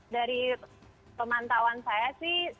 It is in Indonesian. dari pemantauan saya sih